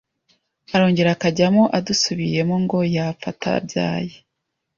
arongera akajyamo adasubiyemo ngo yapfa atabyaye